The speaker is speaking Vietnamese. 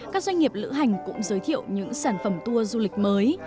các doanh nghiệp lữ hành cũng giới thiệu những sản phẩm tour du lịch mới